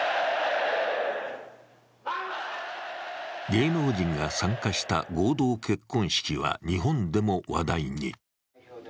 芸能人が参加した合同結婚式は日本でも話題に。